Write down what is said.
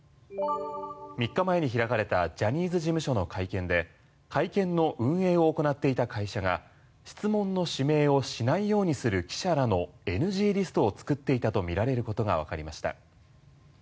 ３日前に開かれたジャニーズ事務所の会見で会見の運営を行っていた会社が質問の指名をしないようにする記者らのＮＧリストを作っていたとみられることがわかりました。